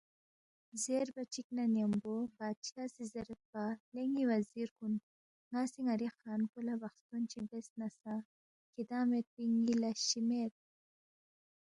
زیربا چِک نہ ن٘یمبو بادشاہ سی زیریدپا، ”لے ن٘ی وزیر کُن ن٘ا سی ن٘ری خان پو لہ بخستون چی بیاس نہ سہ کِھدانگ میدپی ن٘ی لس چی مید